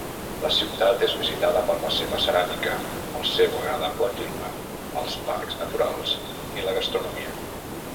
La ciutat és visitada per la seva ceràmica, el seu agradable clima, els parcs naturals i la gastronomia.